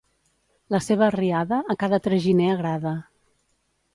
La seva arriada a cada traginer agrada.